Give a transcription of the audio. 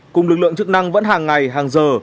cùng lực lượng chức năng vẫn hàng ngày hàng giờ